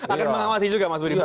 akan mengawasi juga mas budi